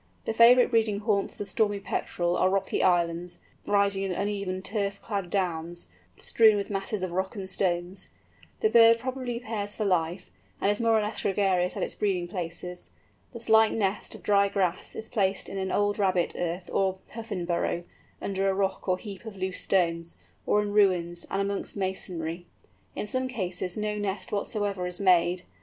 The favourite breeding haunts of the Stormy Petrel are rocky islands, rising in uneven turf clad downs, strewn with masses of rock and stones. The bird probably pairs for life, and is more or less gregarious at its breeding places. The slight nest of dry grass is placed in an old rabbit earth or Puffin burrow, under a rock or heap of loose stones, or in ruins, and amongst masonry. In some cases no nest whatever is made.